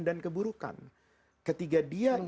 dan keburukan ketika dia